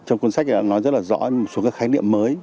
trong cuốn sách này nó rất là rõ một số khái niệm mới